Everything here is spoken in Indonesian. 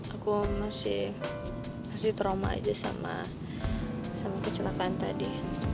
aku masih trauma aja sama kecelakaan tadi